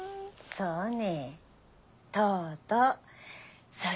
そうね。